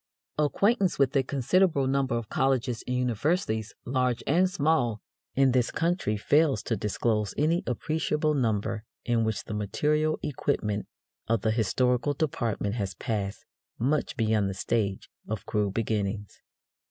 Acquaintance with a considerable number of colleges and universities, large and small, in this country fails to disclose any appreciable number in which the material equipment of the historical department has passed much beyond the stage of crude beginnings.